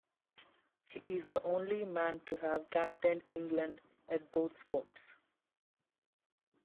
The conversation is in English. He is the only man to have captained England at both sports.